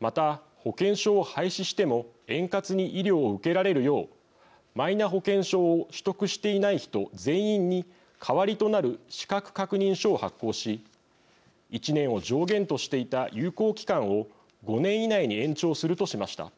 また、保険証を廃止しても円滑に医療を受けられるようマイナ保険証を取得していない人全員に代わりとなる資格確認書を発行し１年を上限としていた有効期間を５年以内に延長するとしました。